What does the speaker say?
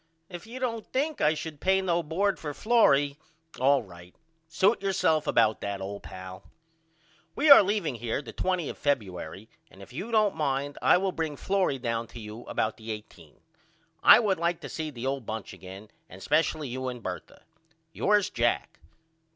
If you don't think I should pay no bord for Florrie all right. Suit yourself about that old pal. We are leaving here the 20 of Febuery and if you don't mind I will bring Florrie down to you about the 18. I would like to see the old bunch again and spesially you and Bertha. Yours, JACK.